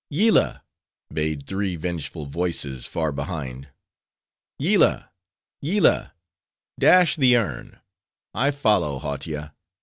Yillah!" bayed three vengeful voices far behind. "Yillah! Yillah!—dash the urn! I follow, Hautia!